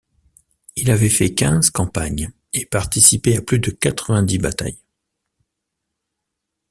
Il avait fait quinze campagnes et participé à plus de quatre-vingt-dix batailles.